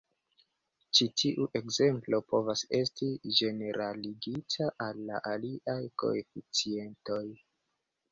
Ĉi tiu ekzemplo povas esti ĝeneraligita al la aliaj koeficientoj.